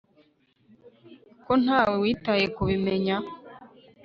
ko ntawe witaye kubimenya